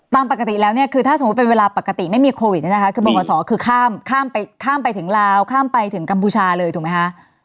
ตามปกติแล้วถ้าเป็นเวลาปกติไม่มีโควิดบริษัทคือข้ามไปถึงราวข้ามไปถึงกัมพูชาเลยถูกไหมคะ